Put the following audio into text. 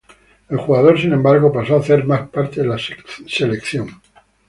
El jugador, sin embargo, pasó a hacer más parte de la selección.